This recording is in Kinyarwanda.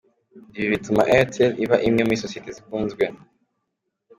Ibi bituma Airtel iba imwe muri sosiyete zikunzwe.